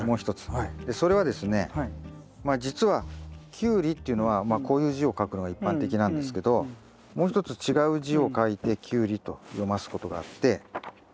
それはですねまあじつはキュウリっていうのはまあこういう字を書くのが一般的なんですけどもう一つ違う字を書いてキュウリと読ますことがあって。